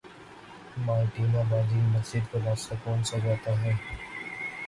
Martina باجی یہ مسجد کو راستہ کونسا جاتا ہے